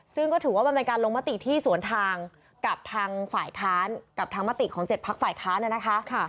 ซึ่งก็ถือว่ามันเป็นการลงมะติที่สวนทางกับทางมะติของเจ็ดพักฝ่ายค้านนะคะ